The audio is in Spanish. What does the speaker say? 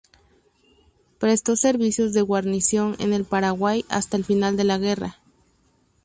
Prestó servicios de guarnición en el Paraguay hasta el final de la guerra.